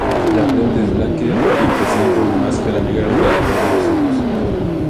La frente es blanca y presenta una máscara negra alrededor de los ojos.